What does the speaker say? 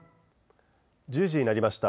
１０時になりました。